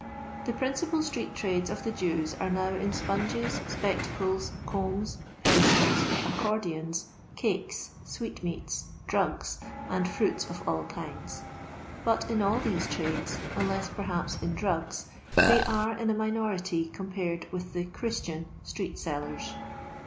The principal street tmdes of tha Jews are now in sponges, spectacles, combs, pendls, aceordions, cakes, sweetmeats, drug% ttid fruits of all kinds; bat, in all these trades, unless perhaps in drugs, they are in a minority compared with the " Chris tian " street sellers.